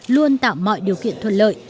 luôn tạo mọi điều kiện thuận lợi